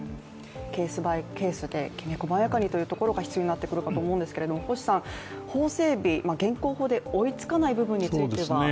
ケースバイケースできめこまやかにというところが必要になってくるかと思うんですけど法整備、現行法で追いつかない部分については？